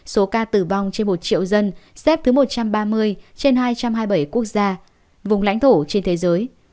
số ca tử vong trên một triệu dân xếp thứ một trăm ba mươi trên hai trăm hai mươi bảy quốc gia vùng lãnh thổ trên thế giới